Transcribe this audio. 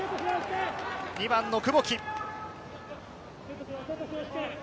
２番・久保木。